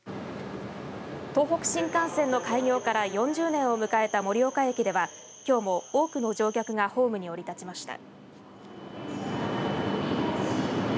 東北新幹線の開業から４０年を迎えた盛岡駅ではきょうも多くの乗客がホームに降り立ちました。